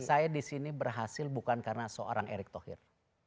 saya di sini berhasil bukan karena seorang erick thohir